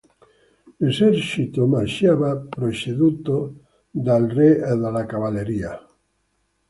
L'esercito marciava preceduto dal re e dalla cavalleria.